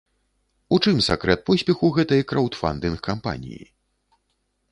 У чым сакрэт поспеху гэтай краўдфандынг-кампаніі?